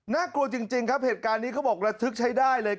กลัวจริงครับเหตุการณ์นี้เขาบอกระทึกใช้ได้เลย